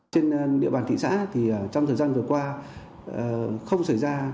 trên địa bàn thị xã thì trong thời gian vừa qua không xảy ra